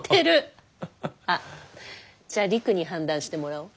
あじゃあ璃久に判断してもらおう。